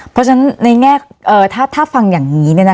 เพราะฉะนั้นในแง่ถ้าฟังอย่างนี้